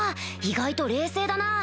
意外と冷静だな